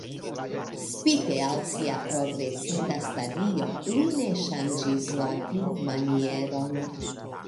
Spite al sia progresinta stadio li ne ŝanĝis la vivmanieron.